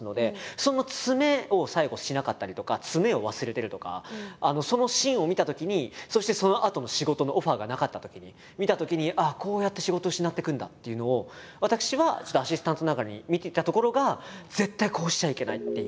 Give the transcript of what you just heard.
その詰めを最後しなかったりとか詰めを忘れてるとかそのシーンを見たときにそしてそのあとの仕事のオファーがなかったときに見たときにあっこうやって仕事を失っていくんだっていうのを私はアシスタントながらに見てたところが絶対こうしちゃいけないっていう。